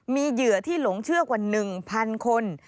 มีเหยื่อที่หลงเชื่อกว่า๑๐๐คน